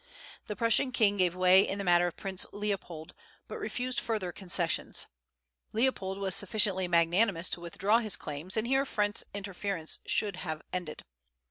The Prussian king gave way in the matter of Prince Leopold, but refused further concessions. Leopold was sufficiently magnanimous to withdraw his claims, and here French interference should have ended.